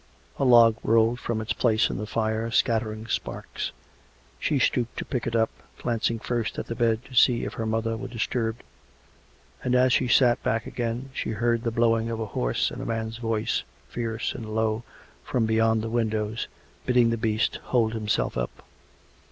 A log rolled from its place in the fire, scattering sparks. She stooped to put it back, glancing first at the bed to see if her mother were disturbed; and, as she sat back again, she heard the blowing of a horse and a man's voice, fierce and low, from beyond the windows, bidding the beast hold himself up.